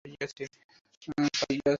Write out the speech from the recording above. বেদের চর্চা তো বাঙলাদেশ হইতে লোপই পাইয়াছে।